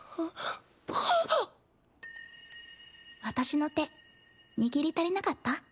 私の手握り足りなかった？